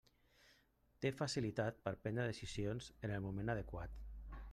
Té facilitat per prendre decisions en el moment adequat.